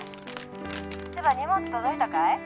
「荷物届いたかい？